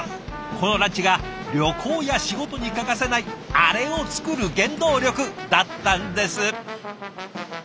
このランチが旅行や仕事に欠かせないアレを作る原動力だったんです。